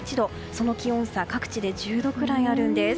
その気温差、各地で１０度くらいあるんです。